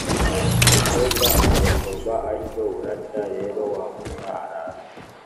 umukobwa arongorwa atyo buracya rero wa muja araza